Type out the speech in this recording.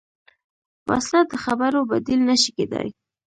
وسله د خبرو بدیل نه شي کېدای